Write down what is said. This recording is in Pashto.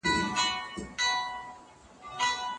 هیڅوک حق نه لري چي د بل چا ملکیت غصب کړي.